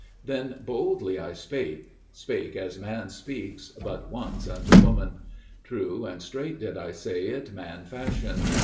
Then boldly I spake spake as man speaks but once unto woman. True and straight did I say it man fashion.